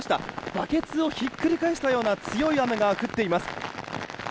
バケツをひっくり返したような強い雨が降っています。